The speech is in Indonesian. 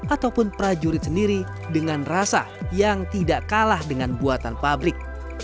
ataupun prajurit sendiri dengan rasa yang tidak kalah dengan buatan pabrik